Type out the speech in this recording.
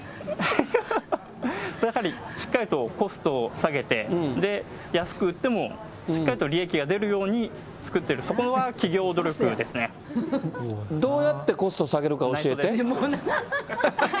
それはやはり、しっかりとコストを下げて、安く売っても、しっかりと利益が出るように作っている、どうやってコストを下げるか教えて。